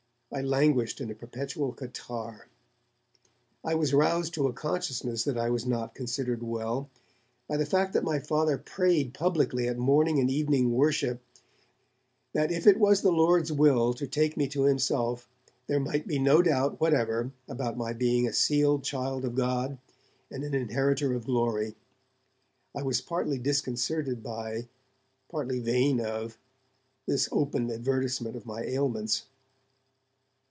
I languished in a perpetual catarrh. I was roused to a conscious ness that I was not considered well by the fact that my Father prayed publicly at morning and evening 'worship' that if it was the Lord's will to take me to himself there might be no doubt whatever about my being a sealed child of God and an inheritor of glory. I was partly disconcerted by, partly vain of, this open advertisement of my ailments.